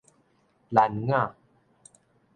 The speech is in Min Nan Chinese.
蘭雅